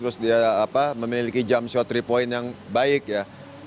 terus dia memiliki jump shot tiga point yang baik ya